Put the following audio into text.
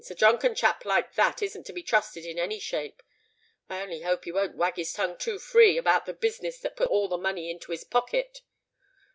"A drunken chap like that isn't to be trusted in any shape. I only hope he won't wag his tongue too free about the business that put all the money into his pocket."